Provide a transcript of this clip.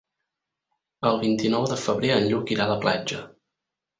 El vint-i-nou de febrer en Lluc irà a la platja.